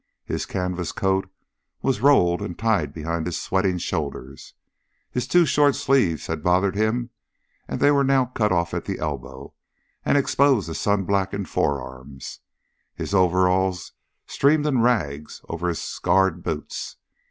His canvas coat was rolled and tied behind his sweating shoulders; his too short sleeves had bothered him and they were now cut off at the elbow and exposed the sun blackened forearms; his overalls streamed in rags over his scarred boots.